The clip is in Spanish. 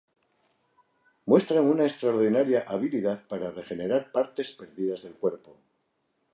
Muestran una extraordinaria habilidad para regenerar partes perdidas del cuerpo.